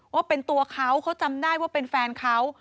ว่าเป็นตัวเขาเขาจำได้ว่าเป็นแฟนเขา